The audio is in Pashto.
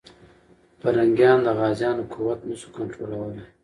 پرنګیان د غازيانو قوت نه سو کنټرولولی.